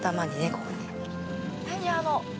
ここに。